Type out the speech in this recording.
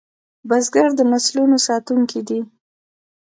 بزګر د نسلونو ساتونکی دی